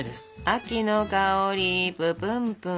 秋の香りププンプン。